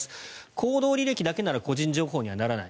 行動履歴だけなら個人情報にはならない